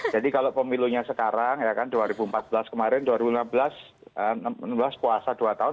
jadi kalau pemilunya sekarang dua ribu empat belas kemarin dua ribu enam belas puasa dua tahun